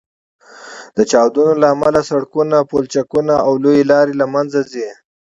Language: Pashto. د چاودنو له امله سړکونه، پولچکونه او لویې لارې له منځه ځي